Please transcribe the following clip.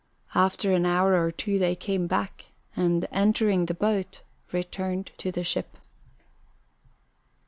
After an hour or two they came back, and, entering the boat, returned to the ship.